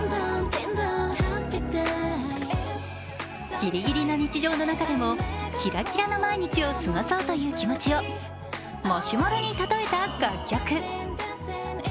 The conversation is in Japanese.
ギリギリな日常の中でもキラキラな毎日を過ごそうという気持ちをマシュマロに例えた楽曲。